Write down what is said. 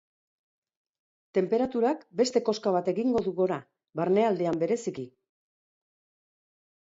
Tenperaturak beste koska bat egingo du gora, barnealdean bereziki.